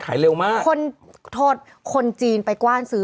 เร็วมากคนโทษคนจีนไปกว้านซื้อ